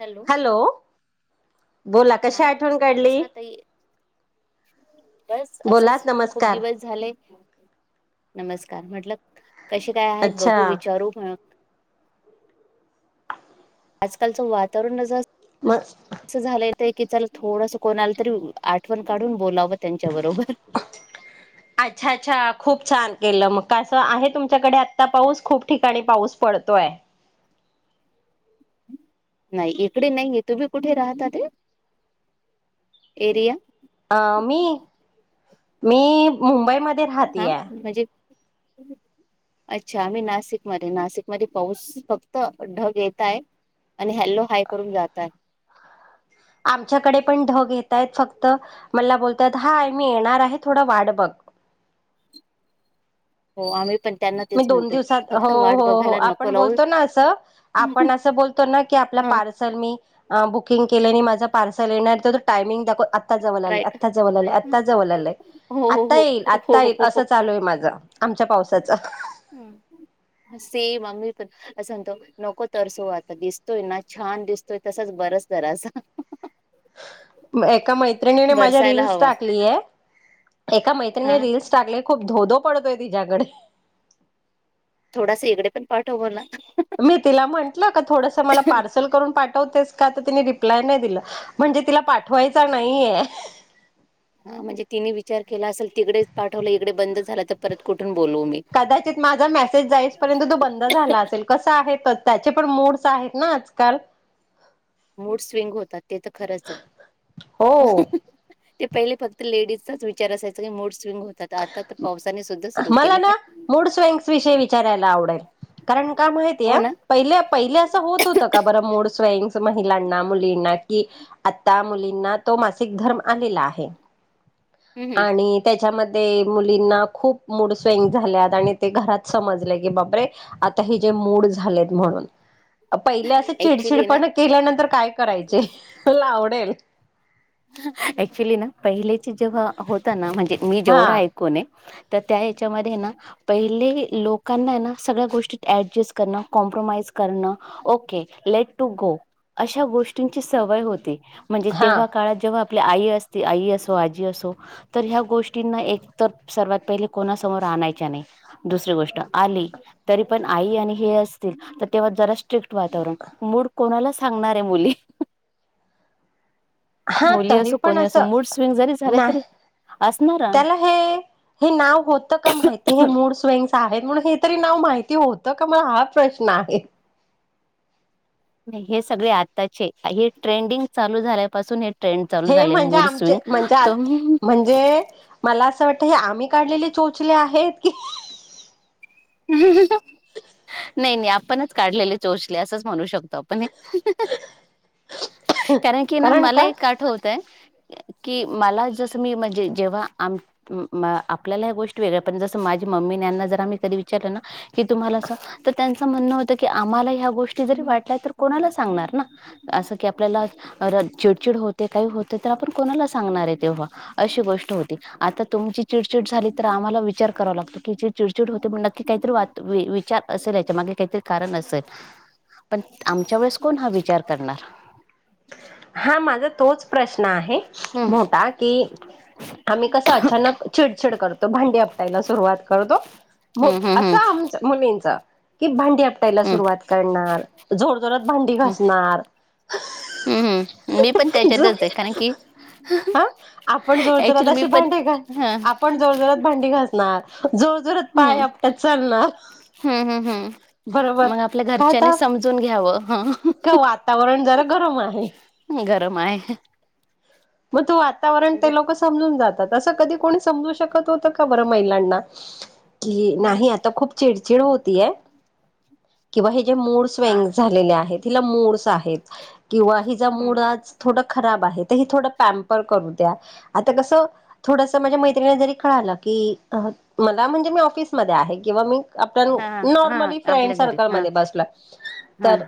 Hello? बोला कशी हा, आठवण काढली नमस्कार ताई बस बोला असच, खूप नमस्कार दिवस झाले. नमस्कार. म्हटल- कशी काय आहेत? अच्छा बघू विचारू मग आजकालचं वातावरण ज म [inaudible] ते की चला थोडसं कोण आलं तरी आठवण काढून बोलावं. त्यांच्या बरोबर अच्छा!, अच्छा! खूप छान! केलं मग. कसं आहे तुमच्याकडे आता पाऊस खूप ठिकाणी पाऊस पडतोय. नाही इकडे नाहीे तुम्ही कुठे राहताते एरिया. आ मी मी. मुंबईमध्ये राहते हा ए. म्हणजे अच्छा आम्ही नाशिक मध्ये नाशिक मध्ये पाऊस फक्त ढग येत आहेतआणि हॅलो हाय करून जातात. आमच्याकडे पण ढग येतय फक्त मला बोलतय हा आ मी येणार आहे थोड वाट बघ. हो आम्ही पण. त्यांना मी तेच दोन म्हणतोय दिवसात हो फक्त वाट हो हो बघायला आपण नको लावू बोलतो ना अस आपण अस बतो ना की ह आपलापार्सल मी ब. बुकिंग केलंने माझं पार्सल येण्याच जो टायमिंग दाखव आ. आत्ताच जवळ आलं राईट आत्ताच जवळ आलं आत्ताच जवळ आलं आलंय हो हो आता येईल हो आत्ता हो येईल असं चालूय माझं आमच्या पावसाचा. हम् सेम आ्. अस म्हणतो नको तर सो आता दिसतोय ना छान दिसतोय तसाच बरस बरस. एका मैत्रिणीने माझ्या बरसायला रिल्स हवा टाकले एका मैत्रिणीने हा रिल्स टाकले खूप. धोधो पडतोय तिच्याकडे. थोडास इकडे पण पाठव बोलला. मी तिला म्हंटलं का थोडसं मला हा पार्सल करून पा. हो तेच का तर तिने रिप्लाय नाही दिल म्हणजे तिला पाठवायचं नाहीये. हा म्हणजे तिने विचार केला असल तिकडेच पाठवले इकडे बंद झाला तर परत कु. कदाचित माझा मेसेज जाईसपर्यंत तो बंद झाला असेल कसा आहे तर. त्याचे पण मोड्स आहेत ना आजकाल. मोड्स स्विंग होतात ते तर खरंच आहे हो ते पहिले फक्त लेडीज. असच विचारायचं मुड सि. मला केले. ना मूड स्विंग्स विषयी विचारायला आवडेल कारण का हो माहितीये ना पहिले पहिले अस होत होत का बर असं मूड स्विंग्स. महिलांना मुलींना कि आत्ता मुली. [unintelligible] धर्म आलेला आहे हम्म आणि त्याच्यामध्ये. ते मुलींना खूप मूड स्विंग झाल्यात आणू ते घरात समजले की, बापरे! काही जे मूड झालेत म्हणून. पहिले असं ऍक्च्युली ना चिडचिडपण केल्यानंतर काय करायचे मला आवडेल. ऍक्च्युली ना पहिले. जेव्हा होता ना म्हणजे मी हा जेवढा ऐकून ये. तर त्या याच्यामध्ये ना पहिले लोकांना ना सगळ्या गोष्टी ऍडजस्ट करणं कॉम्प्रोमाइज करणं ओके लेट टू गो अशा गोष्टींची सवय होती. म्हणजे हा तेव्हा. जेव्हा आपली आई असते आई असो आजी असो तर ह्या गोष्टींना एक तर सर्वात पहिले कोणासमोर आणायच्या नाही दुसरी गोष्ट आली तरी पण आई आणि हे असतील तर तेव्हा जरा स्ट्रिक वातावरण मूड कोणालाच सांगणारे मुली हा मुली तरी असो पण कोणी अस असो मूड स्विंग जरी झाले नाह तरी असणार ना. त्याला हे हे नाव होत का माहितीय हे मूड स्विंग आहेत म्हणून हे तरी नाव माहिती होतं का मला हा प्रश्न आहे नाही हे सगळे आताचे हे ट्रेंडिंग चालू झाल्यापासून हे ट्रेंड चालू हे झाले म्हणजे मूड आमचे स्विंग म्हणजे तो म्हणजे मला अस वाटत हे आम्ही काढलेले चोचले आहेत की हम् नाही नाही आपणच काढलेले चोचले असच म्हणू शकतो त पण एक कारण की ना मला एक आठवतय कि मला जसं मी म्हणजे जेव्हा आपल्याला ह्या गोष्टी वेगळ्या पणज जसं माझी मम्मीन यांना जर आम्ही कधी विचारलं ना की तुम्हाला अस असं म्हणणं होतं की आम्हाला ह्या गोष्टी जरी वाटल्या तर कोणाला सांगणार ना असं की आपल्याला चिडचिड होते काही होते तर आपण कोणाला सांगणारेत तेव्हा अशी गोष्ट होती आता तुमची चिडचिड झाली तर आम्हाला विचार करावा लागतो की तुमची चिडचिड होते म्हणजे नक्की काहीतरी वा विचार असेल याच्या मागे काहीतरी कारण असेल पण आमच्या वेळेस कोण हा विचार करणार हा माझ तोच प्रश्न प्रश्न आहे हम्म मोठा की आम्ही कस अचानक चिडचिड करतो भांडी आपटायला सुरुवात करतो मग हम्म हम्म हम्म असं आमच मुलींच की भांडी आपटायला हम्म हम्म सुरुवात करणार जोर जोरात भांडी घासणार हम्म मी पण त्याच्यातचय कारण की हा आपण जोरजोरात ऍक्चुली मी अशी पण ह ती घासणार जोर जोरात पाय आपटात चालण हम्म हम्म हम्म बरोबर मग आपल्या काय घरच्यानी आता समजून घ्यावं ह का वातावरण जरा गरम आहे. गरम आहे. मग तो आता वातावरण ते लोक समजून जात तं कधी कोणी समजू शकत होत का बर महिलांना कि हम्म नाही आता खूप चिडचिड होत ती ये- किंवा हे जे मूडस आ स्वॅग झालेले आहेत. तिला मुर्स आहेत. किंवा हिचा हम्म मूड आज थोडं खराब आहे. दही थोडं स्टॅम्पर करू द्या आता कस थोडस माझ्या मैत्रिणीला जरी कळलं की मला म्हणजे मी ऑफिसमध्ये आहे किंवा मी आपण हा हा नॉर्मली फ्रेंड आपल्या घरी सर्कल हा मध्ये बसला हा तर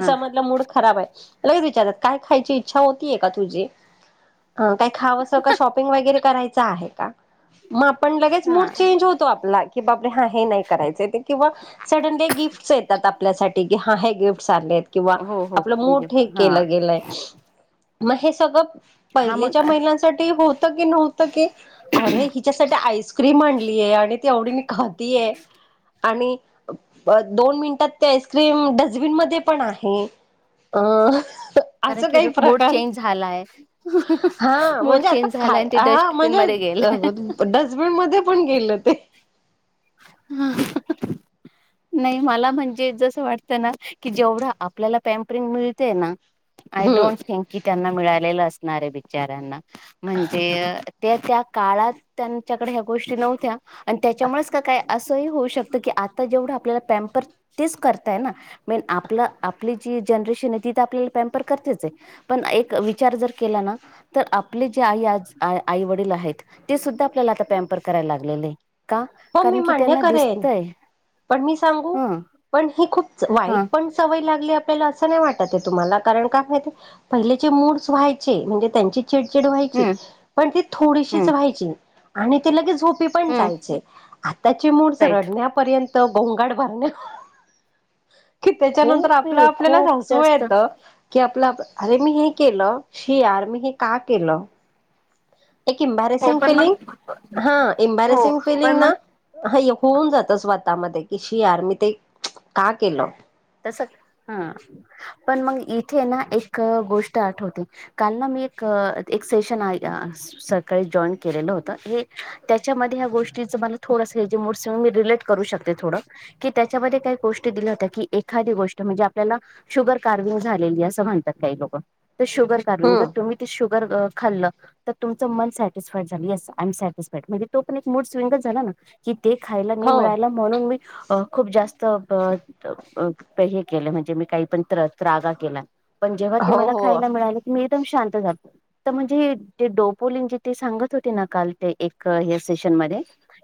हा समजलं मूड खराब आहे. लगे विचारात काय खायची इच्छा होतीये का तुझी काय खावंस का शॉपिंग वगैरे करायचं चा आहे का? मग आपण लगेच मूड हा चेंज होतो आपला की बापरे हा हे नाही करायच ते किंवा सडनली गिफ्टस येतात आपल्यासाठी की हा हे गिफ्ट चालेल किंवा हो हो आपलं मूड म्हणजे ठीक हा केला गेलाय. मग हे सगळं. हा मग पहिलेच्या महिलांसाठी होत की नव्हत की अरे हिच्यासाठी आईस्क्रीम आणलीये आणि ती आवडीने खाती आहे आणि दोन मिनिटात ते आईस्क्रीम डस्टबिन मध्ये पण आहे अ कारण असं की काही मूड प्रकार चेंज झालाय. हा मूड म्हणजे आता चेंज झालाय खाय आणि ते हा डस्टबिन म्हणजे मध्ये गेलाय डस्टबिन मध्ये पण गेलं ते नाही मला म्हणजे जस वाटत ना की जेवढं आपल्याला पॅमपरिंग मिळतेय ना. आय हम्म डोंट थिंक की त्यांना मिळालेलं असे. णारे बिचाऱ्यांना म्हणजे त्या त्या काळात त्यांच्याकडे ह्या गोष्टी नव्हत्या आणि त्याच्यामुळेच काय असंही होऊ शकत की आता जेवढं आपल्याला पॅम्पर तेच करताय ना मेन आपलं आपली जी जनरेशन आहे ती तर आपल्याला पॅम्पर करतेच आहे पण एक विचार जर केला ना तर आपले जे आई आ आई वडील आहेत ते सुद्धा आपल्--याला आता पॅम्पर करायला लागलेले आहे का. हो मी कारण की मान्य त्यांना करेन दिसतय पण मी सांगू ह पण ही खूप ह वाईट पण सवय लागली आप अस नाही वाटत तुम्हाला कारण काय पहिलेचे मूडस व्हायचे म्हणजे त्यांचे चिडचिड व्हायची हम्म पण ती थोडीशीच हम्म राहायची. आणि ते लगेच झो- मी पण हम्म जायचे. आताचे मूडस राईट रडण्यापर्यंत बोंगाड भांगन्य. कि त्याच्यानंतर खूप आपलं आपल्याला खूप सासू जास्त येतं की आप अरे मी हे केलं शी यार मी हे का केलं. एक हो इम्बॅरेसिंग पण मग फीललिंग हा हो इम्बॅरेसिंग पण मग हा होऊन जात स्वतः म की शि यार मी ते का केलं. पण मग इथे ना एक गोष्ट आठवते काल ना मी एक सेशन सकाळी जॉईन केलेलं होत हे त्याच्यामध्ये ह गोष्ट त्याच्या मध्ये थोडस [unintelligible] तुम्ही डिलिट करू शकता थोड की त्याच्या मध्ये काय गोष्टी दिल्या होत्या की [unintelligible] एखादी गोष्ट म्हणजे आपल्याला शुगर कार्वि्हंग झालेली असं म्हणतात काही लोक शुगर काढून हम्म [unintelligible] तुमही ते शुगर [unintelligible] [inaudible] ते खायला नाही हो मिळायला म्हणून मी अ खूप जास्त प हे केलं म्हणजे मी काही पण त त्रगा केला. पण जेव्हा ते हो मला हो खायला मिळालेलं मी एकदम शांतात तर म्हणजे डोपलीन ज सांगत होते ना काल ते एक सेशन मध्ये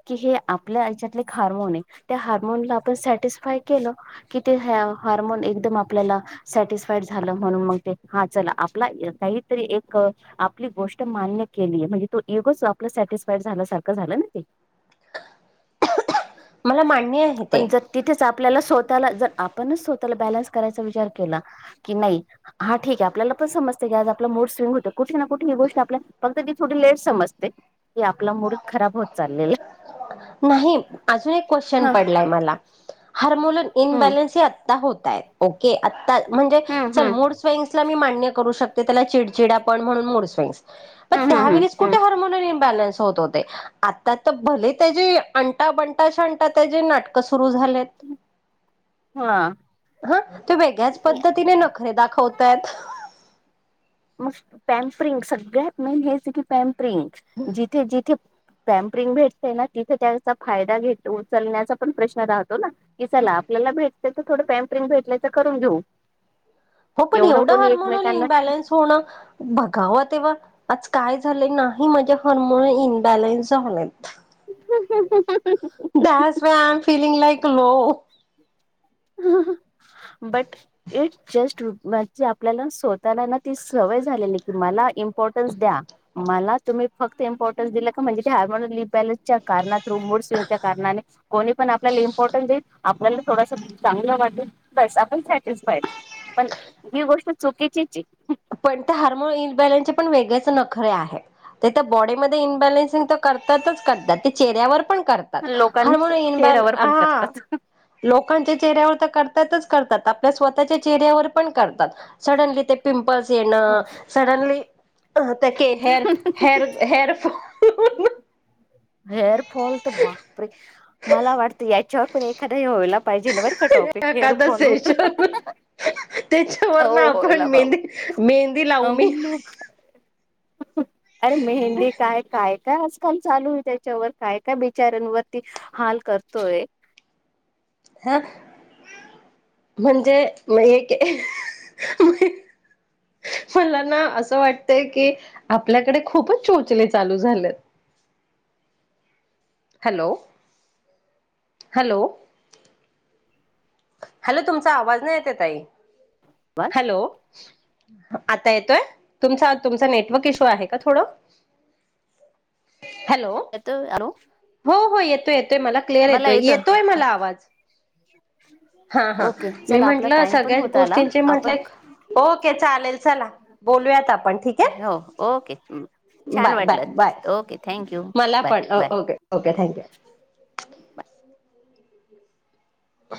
कि हे आपल्या आच्यातले हार्मोन आहे त्या हार्मोन आपण सटिस्फाय केलं. कि ते हार्मोन एकदम आपल्याला सॅटिस्फाईड झालं म्हणून मग ते हा चला आपला काहीतरी एक आपली गोष्ट मान्य केलीय म्हणजे तो इगोच आपला सॅटिस्फाईड झाल्यासारख झालं ना ते मला मान्य आहे ते पण जर तिथेच आपल्याला स्वत स्वतःला जर आपणच स्वतःला बॅलन्स करायचा विचार केला की नाही हा ठीक आहे. आपल्याला पण समजते की आज आप मोड स्विंग होत कुठे ना कुठ ही गोष्ट आपल्या फक्त ती थोडी लेट समजते. आपला मूड खराब होत चाललेला नाही अजून एक क्युशन हा पडलाय मला. हार्मोोलन हम्म इनबॅलन्स ही आता होत आहेत. ओके म्हणजे हम्म चल हम्म मूड स्विंग्स मी मान्य करू शकते. ते त्याला चिडचिड आपण म्हणून मोडचय. [unintelligible] पण हम्म हम्म त्यावेळीस हम्म हम्म कुठे हार्मोनन इबॅलन्स होत होत आता तर भले त्याची अंता बंता स्नाटा त्याची नाटक सुरू झालेत. हा हा ते वेगळ्याच पद्धतीने नखरे दाखवतात. मग पॅम्परिंग सगळ्यात मेन हेच की पॅम्परिंग पॅम्परिंग जिथे जिथे पॅम्परिंग भेटते ना तिथे त्याचा फायदा उचलण्याचा पण प्रश्न राहतो. की चला आपल्याला भेटतोय. त्या थोडं पॅम्परिंग भेटल्याय तर करून घेऊ. हो पण एवढं कोणी हार्मोन इन एकमेकांना इन बॅलेन्स होणं बघावा तेव्हा आज काय झालं नाही माझे हर्मन इन्बॅलन्स झालेत. हाहाहा that's why I am feeling like low [unintelligible] [unintelligible] O [unintelligible] but it just आपल्याला स्वतःला ना ती सवय झालेली. तुम्हाला इम्पॉर्टन्स द्या. मला तुम्ही फक्त इम्पॉर्टन्स दिलं का म्हणजे हार्मोन लि बनसच्या मोड स्विंगच्या कारणाने कोणी पण आपल्याला इम्पॉर्टन्स देल आपल्याला थोडस चांगल [unintelligible] वाट बस आपण सटिस्फाई पण जी गोष्ट चुकीची पण ते हार्मोन इबॅलन्स पण वेगळच नखरे आहे ते बॉडीमध्ये इन्बॅलन्सिंग तर करतातच करतात तेचेऱ्यावर पण करतात आहे हार्मोन लोकांच्या इन चेहऱ्यावर पण बॅलन्स करतात. लोकांच्या चेहऱ्यावर तर करतातच करतात आपल्या स्वतःच्या चेहऱ्यावर पण करतात सडनली ते पिंपल पिंपल्स येणं हो. सडनली अ त्या hair hair fall hair fall तर बापरे मला वाटतं याच्यावर पण एखाद्या वयला पाहिजेर एखादा सेशन त्याच्यावर ना हो आपण होला बाबा मेहंदी मेहंदी लावू अम अरे मेहंदी काय काय काय आजकाल चालू त्याच्यावर काय काय बिचारांवरती हाल करतोय हा म्हणजे एक मला ना असं वाटतय की आपल्याकडे खूपच चोचले चालू झालेत हॅलो हॅलो हॅलो तुमचा आवाज नाही येत ताई आवाज हॅलो आता येतोय तुमचा तुमचा नेटवर्क इश्यू आहे का थोडा हॅलो येतोय हॅलो हो हो येतोय येतोय ते मला क्लिअर येतोय येतोय मला आवाज हा हा ओके मी चला आपला म्हंटलं टाइम पण सगळ्याच होत आला गोष्टींचे म्हटले आपण ओके चालेल चला बोलूयात आपन हो ओके छान बाय बाय बाय वाटलं ओके थँक्यू मला बाय बाय ह